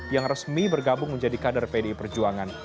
yang resmi bergabung menjadi kader pdi perjuangan